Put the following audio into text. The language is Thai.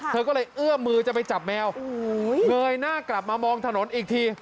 เธอก็เลยเอื้อมมือจะไปจับแมวเงยหน้ากลับมามองถนนอีกที